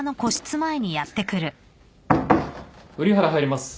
瓜原入ります。